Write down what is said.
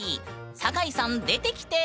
坂井さん出てきて！